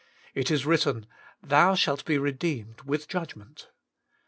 It is written, * Thou shall be redeemed with judgment.